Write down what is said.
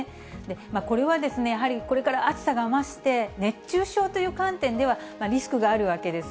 これはやはり、これから暑さが増して熱中症という観点では、リスクがあるわけです。